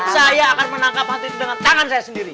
saya akan menangkap hati itu dengan tangan saya sendiri